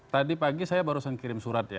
tadi pagi saya baru saja kirim surat ya